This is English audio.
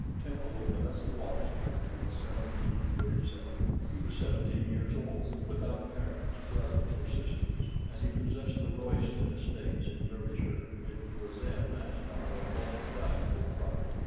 Temple went up to Oxford in 1737. He was seventeen years old, without parents, brothers, or sisters; and he possessed the Royston estates in Derbyshire, which were then, as now, a most valuable property.